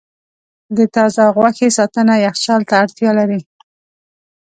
د تازه غوښې ساتنه یخچال ته اړتیا لري.